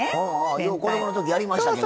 よう子供の時やりましたけど。